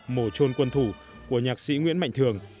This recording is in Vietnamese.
mổ trôn quân thủ của nhạc sĩ nguyễn mạnh thường